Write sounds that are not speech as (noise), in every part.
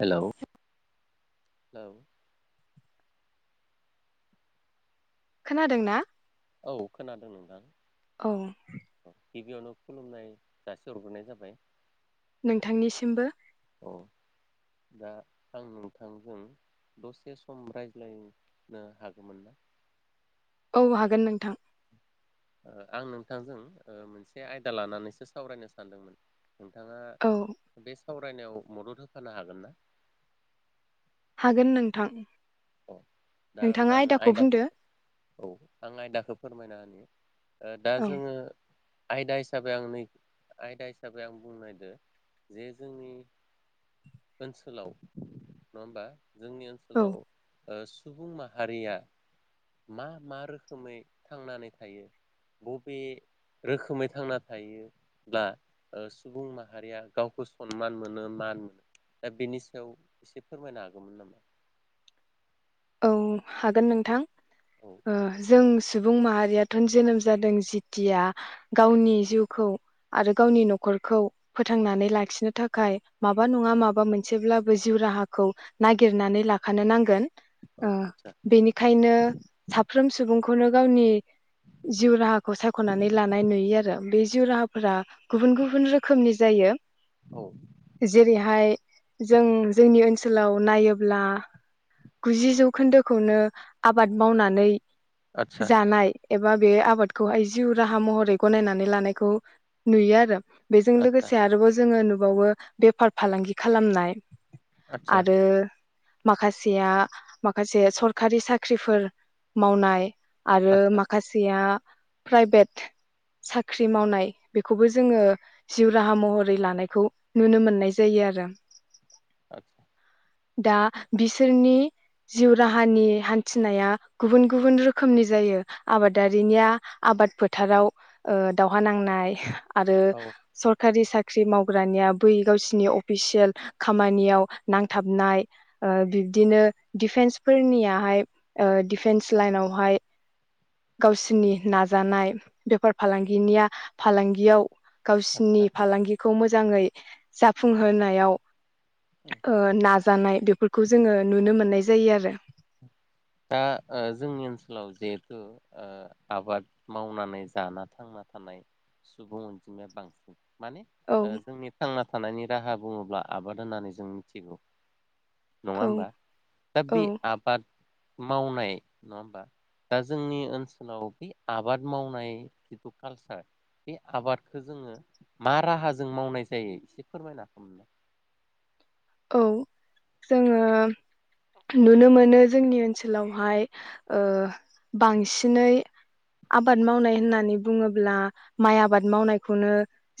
Hello hello खोनादों ना? औ खोनादों नोंथां गिबियावनो खुलुमनाय जासि हरग्रोनाय जाबाय नोंथांनिसिमबो औ दा आं नोंथांजों दसे सम रायज्लायनो हागौमोन ना ह हागोन नोंथां आं नोंथांजों मोनसे आयदा लानानैसो सावरायनो सानदोंमोन नोंथाङा औ बेस सावरायनायाव मदद होफानो हागोन ना हागोन नोंथां अ दा नोंथाङा होबा आङो आयदाखौ बुंदो औ आं आयदाखौ फोरमायना होन दा औ जोङो आयदा हिसाबै आं नै आयदा हिसाबै आं बुंनायदो जे जोंनि ओनसोलाव नङा होमबा जोंनि औ ओनसोलाव सुबुं माहारिया मा मा रोखोमै थांनानै थायो बबे रोखोमै थांना थायोब्ला सुबुं माहारिया गावखौ सनमान मोनो मान मोनो दा बेनि सायाव एसे फोरमायनो हागौमोन नामा औ हागोन नोंथां औ जों सुबुं माहारियाथ' जोनोम जादों जिथिया गावनि जिउखौ आरो गावनि न'खरखौ फोथांनानै लाखिनो थाखाय माबा नङा माबा मोनसेब्लाबो जिउ राहाखौ नागिरनानै लाखानो नांगोन औ आदसा बेनिखायनो साफ्रोम साफ्रोम सुबुंखौनो गावनि जिउ राहा खौ सायख'नानै लानाय नुयो आरो। बे जिउ राहाफोरा गुबुन गुबुन रोखोमनि जायो। औ जेरैहाय जों जोंनि ओनसोल ओनसोलाव नायोब्ला। गुजि जौखोन्दोखौनो आबाद मावनानै आदसा जानायाय एबा बे आबादखौहाय जिउ राहा महरै गनायनानै लानायखौ नुयो आरो। बेजों आदसा लोगोसे आरोबाव जोङो। ाव बेफार फालांगि खालामनाय आदसा आरो। माखासेया माखासे सरखारि साख्रिफोर मावनाय आरो आदसा माखासेया प्राइभेट साख्रि मावनाय बेखौबो जोङो जिउ राहा महरै लानायखौ नुनो मोननाय जायो आरो। आतसा दा बिसोरनि जिउ राहानि हान्थिनाया गुबुन गुबुन रोखोमनि जायो आबादारिनिया आबाद फोथाराव दावहा नांनाय। आरो औ सरकारि साख्रि साख्रि मावग्रानिया बै गावसिनि अफिसियेल खामानियाव नांथाबनाय बिब्दिनो। दिफेन्सफोरनियाहाय, दिडिफेन्स लाइनावहाय, गावसोरनि नाजानाय बेफार फालांगिनिया फालांगियाव गावसिनि आदसा फालांगिखौ मोजाङै जाफुंहोनायाव उम नाजानाय बेफोर खौ जोङो नुनो मोननाय जायो आरो दा जोंनि ओनसोलाव जिहेथु आबाद मावनानै जाना थांना थानाय सुबुं अनजिमाया बांसिन माने औ जोंनि थां थानायनि राहा बुङोब्ला आबाद होननानै जों मिथिगौ। नङा औ होमबा दा औ बे आबाद मावनाय नङा होमबा दा जोंनि ओनसोलाव बे आबाद मावनाय जिथु कालसार बे आबादखौ जोङो मा राहाजों मावनाय जायो एसे फोरमायना होदो। औ जोङो नुनो मोनो जोंनि ओनसोलावहाय बांसिनै आबाद मावनाय होननानै बुङोब्ला माइ आबाद मावनायखौनो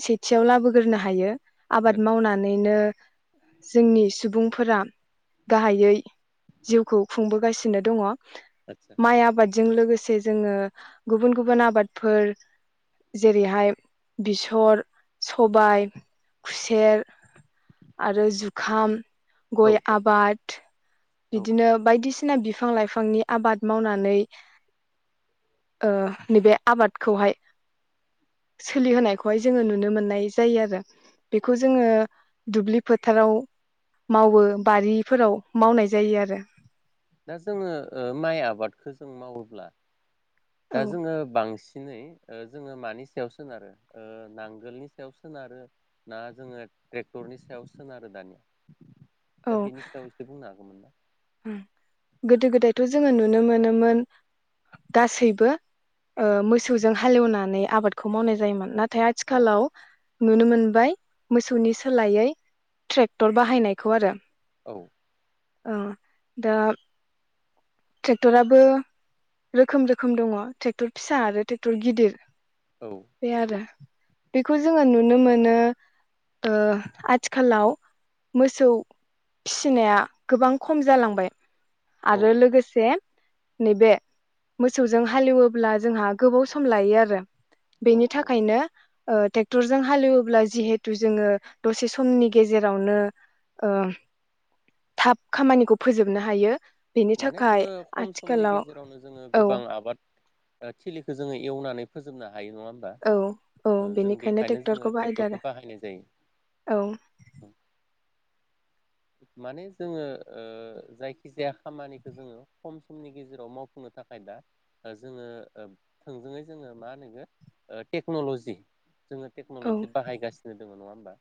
सेथियाव लाबोग्रोनो हायो। आबाद आतसा मावनानैनो। जोंनि सुबुंफोरा गाहायै जिउखौ खुंबोगासिनो दङ। आतसा माइ आबादजों लोगोसे जोङो गुबुन गुबुन आबादफोर जेरैहाय बेसर सबाय खुसेर आरो जुखाम। (unintelligible) औ गय औ आबाद औ बिदिनो बायदिसि सिना बिफां लाइफांनि आबाद मावनानै ओ नैबे आबादखौहाय सोलिहोनायखौहाय जोङो नुनो मोननाय जायो आरो बेखौ जोङो दुब्लि फोथाराव मावो बारिफोराव मावनाय जायो आरो। दा जोङो ओ माइ आबादखौ जों मावोब्ला दा औ जोङो बांसि सिनै ओ जोङो मानि सायाव सोनारो ओ नांगोलनि सायाव सोनारो ना जोङो टेक्टरनि सायाव सोनारो दानिया औ दा बेनि सायाव इसे बुंनो हागोन नामा? गोदो गोदायथ' जोङो नुनो मोनोमोन गासैबो ओ मोसौजों हालेवनानै आबादखौ मावनाय जायोमोन ना थाय औ आथिखालाव नुनो मोनबाय मोसौनि सोलायै ट्रेक्टर बाहायनायखौ आरो। औ अ दा ट्रेक्टराबो रोखोम रोखोम दङ ट्रेक्टर फिसा आरो ट्रेक्टर गिदिर औ बे आरो बेखौ जोङो नुनो मो नो ओ आथिखालाव मोसौ फिसिनाया गोबां खम जालांबाय आरो औ लोगोसे नैबे मोसौजों हालेवोब्ला जोंहा गोबाव सम लायो आरो। बेनि औ थाखायनो ओ टेक्टरजों हालेवोब्ला जिहेथु जोङो दसे समनि गेजेरावनो ओ थाब खामानिखौ फोजोबनो हायो। बेनि माने थाखाय जोङो खम समनि आथिखालाव गेजेरावनो जोङो औ गोबां आबाद ओ थिलिखौ जोङो एवनानै फोजोबना हायो नङा होमबा औ औ ओ जों बेनिखायनो बेखायनो जोङो बाहायदो आरो ट्रेक्टरखौ बाहायनाय औ जायो। माने जोङो ओ जायखि जाया खामानिखौ जोङो खम समनि गेजेराव मावफुंनो थाखाय दा ओ जोङो ओ थोंजोङै जोङो मा होनो ओ टेक्न'लजि जोङो औ टेक्न'लज बायगासिनो जोङो नङा होमबा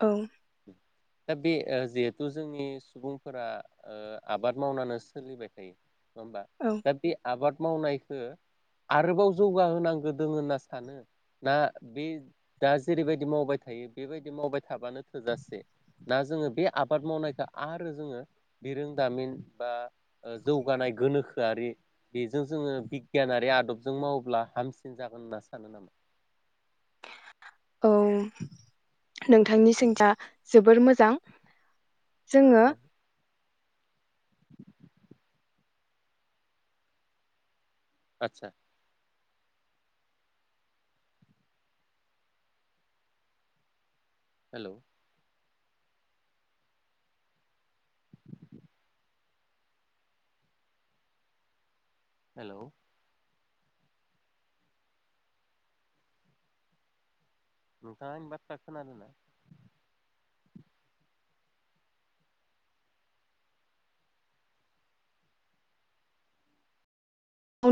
औ दा बे ओ जेथ थु जोंनि सुबुंफोरा ओ आबाद मावनानो सोलिबाय थायो। नङा होमबा औ दा बे आबाद मावनायखो आरोबाव जौगाहोनांगो दोङो होनना सानो ना बे दा जेरैबायदि मावबाय थायो बेबायदि मावबाय थाबानो थोजासे दा जोङो बे आबाद मावनायखौ आरो जोङो बिरोंदामिन बा ओ जौगानाय गोनोखोआरि बेजों जोङो बिगियानारि आदबजों मावोब्ला हामसिन जागोन होनना सानो नामा? औ नोंथांनि सोंथिया जोबोर मोजां जोङो औ आतसा हेल' हेल' नोंथाङा आंनि बाथ्रा खोनादों ना